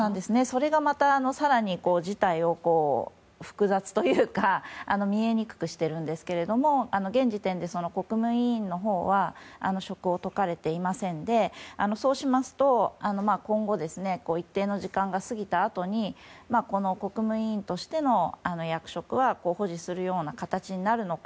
それがまた更に事態を複雑というか見えにくくしてるんですけど現時点で国務委員のほうは職を解かれていませんでそうしますと今後、一定の時間が過ぎたあとに国務委員としての役職は保持するような形になるのか